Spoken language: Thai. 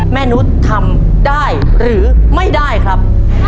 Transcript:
นุษย์ทำได้หรือไม่ได้ครับ